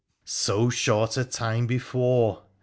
' So short a time before !